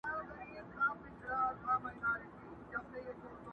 چيري ترخه بمبل چيري ټوکيږي سره ګلونه،